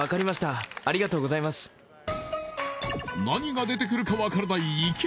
何が出てくるか分からない